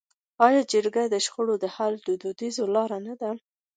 آیا جرګه د شخړو د حل دودیزه لاره نه ده؟